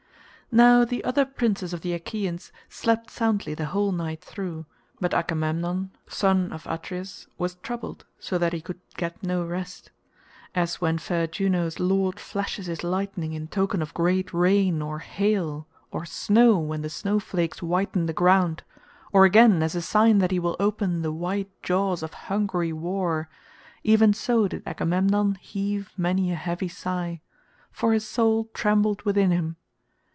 Now the other princes of the Achaeans slept soundly the whole night through, but Agamemnon son of Atreus was troubled, so that he could get no rest. As when fair Juno's lord flashes his lightning in token of great rain or hail or snow when the snow flakes whiten the ground, or again as a sign that he will open the wide jaws of hungry war, even so did Agamemnon heave many a heavy sigh, for his soul trembled within him.